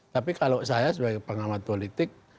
tapi kalau saya sebagai pengamat politik